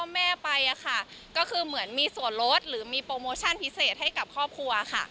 แม่ไปค่ะก็คือเหมือนมีส่วนลดหรือมีโปรโมชั่นพิเศษให้กับครอบครัวค่ะ